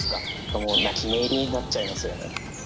もう泣き寝入りになっちゃいますよね。